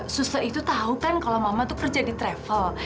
suster itu tahu kan kalau mama tuh kerja di travel